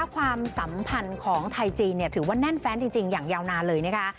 ความสัมพันธ์ของไทยจีนถือว่าแน่นแฟนจริงอย่างยาวนานเลยนะคะ